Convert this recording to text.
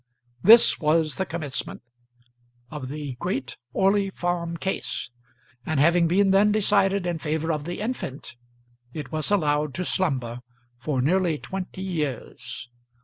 This was the commencement of the great Orley Farm Case, and having been then decided in favour of the infant it was allowed to slumber for nearly twenty years.